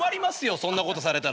そんなことされたら。